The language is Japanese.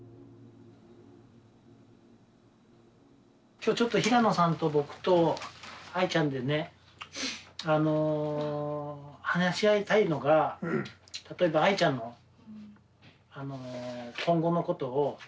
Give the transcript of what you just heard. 今日ちょっと平野さんと僕とアイちゃんでね話し合いたいのが例えばアイちゃんの今後のことを何かあった時に最期に。